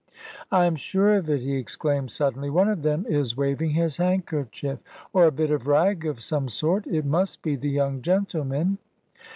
"I am sure of it!" he exclaimed suddenly. "One of them is waving his handkerchief, or a bit of rag of some sort. It must be the young gentlemen!"